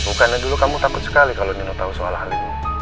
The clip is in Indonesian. bukannya dulu kamu takut sekali kalau nino tahu soal hal ini